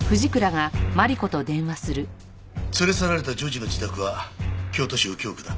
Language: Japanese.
連れ去られた女児の自宅は京都市右京区だ。